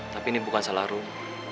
tapi ini bukan salah rom